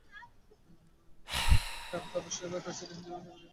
ইলেকটররা ট্রাম্পকেই আনুষ্ঠানিকভাবে প্রেসিডেন্ট হিসেবে নির্বাচন করবেন বলে মনে করা হচ্ছে।